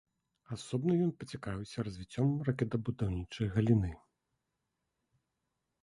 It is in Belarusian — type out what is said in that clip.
Асобна ён пацікавіўся развіццём ракетабудаўнічай галіны.